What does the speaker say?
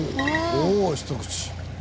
おお一口。